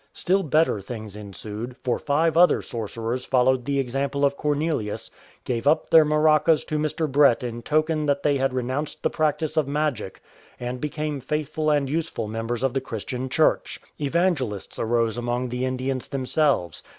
Still better things ensued, for five other sorcerers followed the example of Cornelius, gave up their DiarakJcas to Mr. Brett in token that they had renounced the practice of magic, and became faithful and useful members of the Christian Church. Evangelists arose among the Indians themselves.